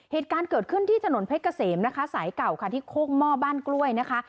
เหตุการณ์เกิดขึ้นที่ถนนเพชรเกษมนะคะสายเก่าค่ะที่โคกหม้อบ้านกล้วยนะคะ